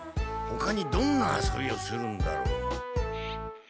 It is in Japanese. ほかにどんな遊びをするんだろう？